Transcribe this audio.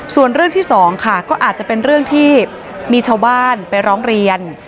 ส่วนเรื่องที่สองค่ะก็อาจจะเป็นเรื่องที่มีชาวบ้านไปร้องเรียน